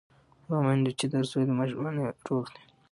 هغه میندو چې درس ویلی، ماشومان یې روغ دي.